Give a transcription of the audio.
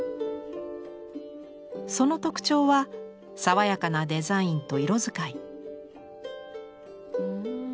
その特徴は爽やかなデザインと色使い。